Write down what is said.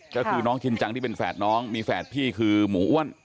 ก็คือน้องชินจังที่เป็นแฝดน้องมีแฝดพี่คือหมูอ้วน